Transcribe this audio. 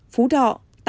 phú thọ tám mươi một